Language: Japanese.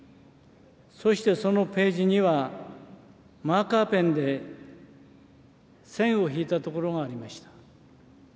そしてそのページには、マーカーペンで線を引いたところがありました。